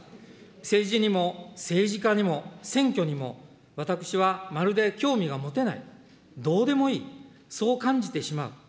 政治にも政治家にも選挙にも、私はまるで興味が持てない、どうでもいい、そう感じてしまう。